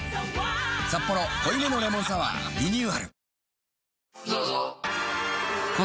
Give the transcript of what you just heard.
「サッポロ濃いめのレモンサワー」リニューアル